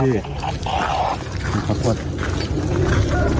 ก็ไปเห็นความจริงเลยค่ะ